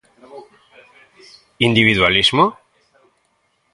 Individualismo?